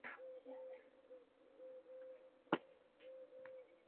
马格达莱纳省。